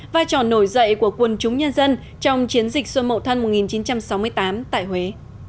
vai trò nổi dậy của quân chúng nhân dân trong chiến dịch xuân mậu thân một nghìn chín trăm sáu mươi tám tại huế